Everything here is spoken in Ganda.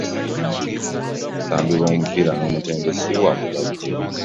Abasambi bomupiira n'o mutendensi wabwe bajja.